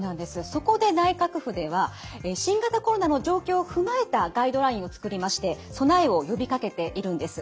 そこで内閣府では新型コロナの状況を踏まえたガイドラインを作りまして備えを呼びかけているんです。